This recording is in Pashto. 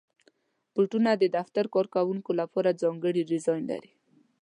بوټونه د دفتر کارکوونکو لپاره ځانګړي ډیزاین لري.